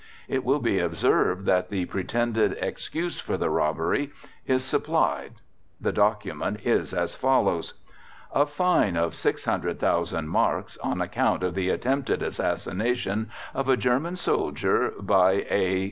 It will be observed that the pretended excuse for the robbery is supplied. The document is as follows: "A fine of 600,000 marks, on account of the attempted assassination of a German soldier by a